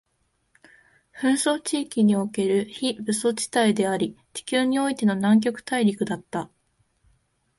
紛争地域における非武装地帯であり、地球においての南極大陸だった